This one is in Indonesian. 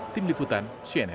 tim liputan siena